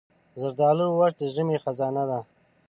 زردالو وچ د ژمي خزانه ده.